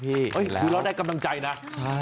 คือเราได้กำลังใจนะ